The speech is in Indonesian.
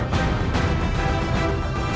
kami akan lihat